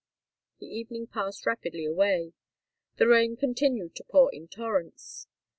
The evening passed rapidly away;—the rain continued to pour in torrents.